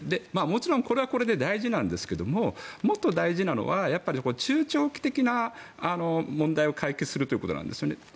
もちろんこれはこれで大事なんですがもっと大事なのは中長期的な問題を解決するということなんですよね。